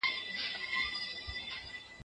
که خپلوي وي نو یوازیتوب نه وي.